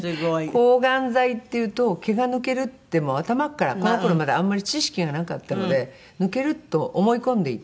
抗がん剤っていうと毛が抜けるってもう頭からこの頃はまだあんまり知識がなかったので抜けると思い込んでいて。